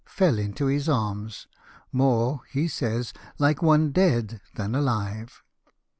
" fell into his arms — more, he says, like one dead than alive.